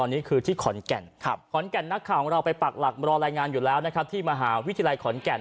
วันนี้เป็นวันที่สองที่มีการนัดรวมตัวกันของนักศึกษามหาวิทยาลัยขอนแก่น